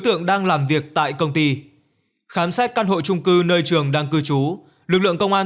tượng đang làm việc tại công ty khám xét căn hộ trung cư nơi trường đang cư trú lực lượng công an